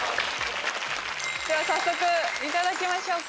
早速いただきましょうか。